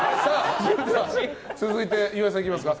続いて、岩井さんいきますか。